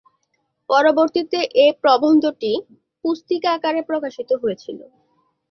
পরবর্তীতে এ প্রবন্ধটি পুস্তিকা আকারে প্রকাশিত হয়েছিল।